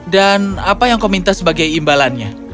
dan apa yang kau minta sebagai imbalannya